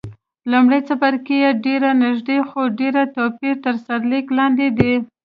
لومړی څپرکی یې ډېر نږدې، خو ډېر توپیر تر سرلیک لاندې دی.